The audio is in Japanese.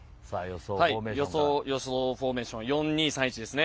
予想フォーメーションは４−２−３−１です。